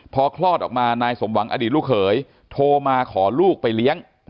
พอคลอดออกมานายสมหวังอดีตลูกเขยโทรมาขอลูกไปเลี้ยง